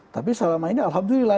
tapi selama ini alhamdulillah